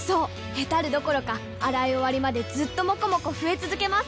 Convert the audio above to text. ヘタるどころか洗い終わりまでずっともこもこ増え続けます！